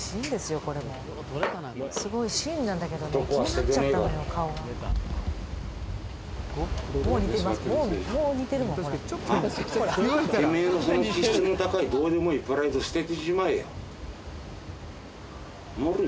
これもすごいシーンなんだけどね気になっちゃったのよ顔がもう似てます